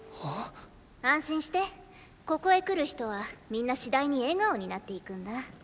安心してここへ来る人は皆次第に笑顔になっていくんだ。